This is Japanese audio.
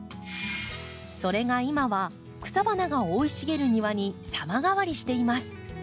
それが今は草花が生い茂る庭に様変わりしています。